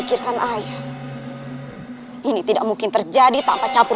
karena air sudah tunduk pada kanjeng ratu